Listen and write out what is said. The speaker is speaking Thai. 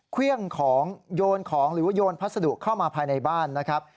เครื่องของโยนของหรือว่าโยนพัสดุเข้ามาภายในบ้านนะครับ